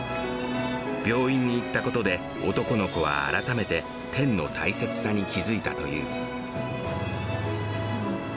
病院に行ったことで、男の子は改めて、天の大切さに気付いたという。